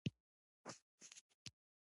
دا تر یوې ستراتیژۍ لوړ ګڼل کېده.